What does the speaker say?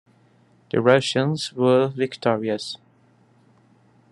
The Russians were victorious.